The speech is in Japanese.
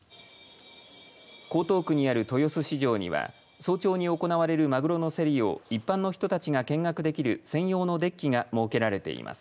江東区にある豊洲市場には早朝に行われるマグロの競りを一般の人たちが見学できる専用のデッキが設けられています。